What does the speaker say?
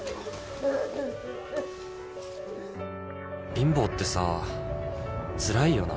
貧乏ってさつらいよな。